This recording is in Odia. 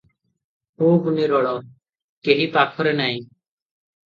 ଖୁବ୍ ନିରୋଳା, କେହି ପାଖରେ ନାହିଁ ।